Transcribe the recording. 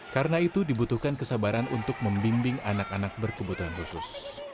karena itu dibutuhkan kesabaran untuk membimbing anak anak berkebutuhan khusus